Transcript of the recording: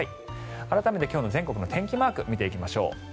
改めて今日の全国の天気マーク見ていきましょう。